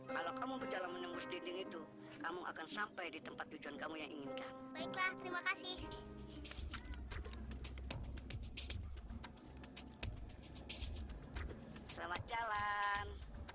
kalau kamu berjalan menembus dinding itu kamu akan sampai di tempat tujuan kamu yang inginkan baiklah terima kasih